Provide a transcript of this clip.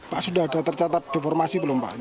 pak sudah ada tercatat deformasi belum pak